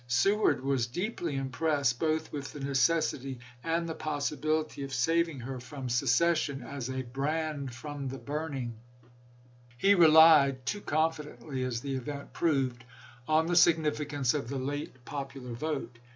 Seward was deeply impressed both with the necessity and the possibility of saving her from Mar. 9, 1861. VIRGINIA 423 He re ch. xxv. lied (too confidently, as the event proved) on the significance of the late popular vote.